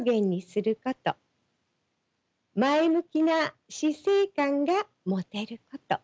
前向きな死生観が持てること。